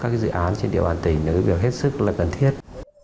thì dự án trên điều hành tỉnh đối với việc hết sức là cần thiết